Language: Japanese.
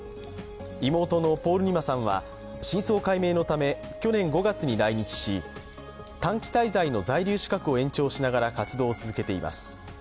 妹のポールニマさんは、真相解明のため、去年５月に来日し短期滞在の在留資格を延長しながら活動を続けています。